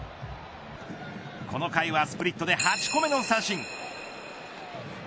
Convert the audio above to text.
この回はスプリットで８個目の三振。